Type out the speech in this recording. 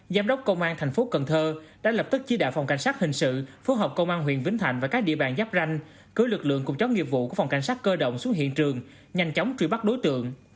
giám đốc công an thành phố cần thơ đã lập tức chỉ đạo phòng cảnh sát hình sự phối hợp công an huyện vĩnh thạnh và các địa bàn giáp ranh cưới lực lượng cùng chóng nghiệp vụ của phòng cảnh sát cơ động xuống hiện trường nhanh chóng truy bắt đối tượng